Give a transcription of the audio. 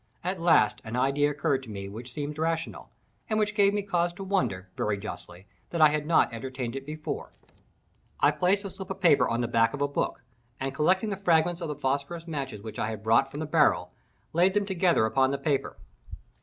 At last an idea occurred to me which seemed rational, and which gave me cause to wonder, very justly, that I had not entertained it before. I placed the slip of paper on the back of a book, and, collecting the fragments of the phosphorus matches which I had brought from the barrel, laid them together upon the paper.